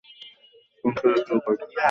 কোনটা দিয়ে শুরু করব?